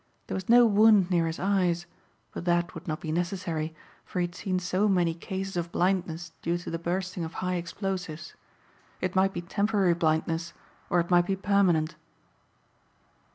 There was no wound near his eyes; but that would not be necessary, for he had seen so many cases of blindness due to the bursting of high explosives. It might be temporary blindness or it might be permanent.